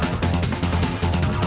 terima kasih chandra